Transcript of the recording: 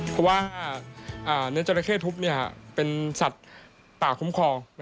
เพราะว่าเนื้อจราเข้ทุบเป็นสัตว์ป่าคุ้มครอง